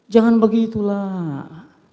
jangan begitu lah